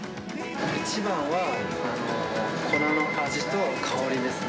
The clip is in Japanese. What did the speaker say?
一番は、粉の味と香りですね。